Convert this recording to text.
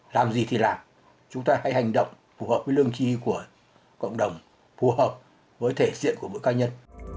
làm gì thì làm chúng ta hãy hành động phù hợp với lương trí của cộng đồng phù hợp với thể diện của mỗi ca nhân